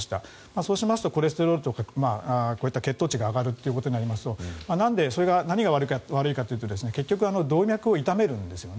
そうしますとコレステロールとかこういった血糖値が上がるとなるとそれが何が悪いかというと結局、動脈を傷めるんですよね。